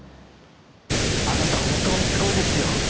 あなた本当にすごいですよ。